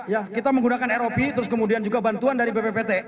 ya kita menggunakan rop terus kemudian juga bantuan dari bppt